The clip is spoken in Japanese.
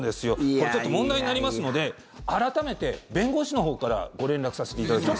これ、問題になりますので改めて弁護士のほうからご連絡させていただきます。